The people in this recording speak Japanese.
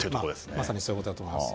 まさにそういうことだと思います。